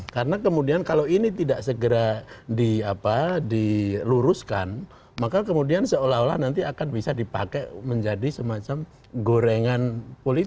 karena kemudian kalau ini tidak segera diluruskan maka kemudian seolah olah nanti akan bisa dipakai menjadi semacam gorengan politik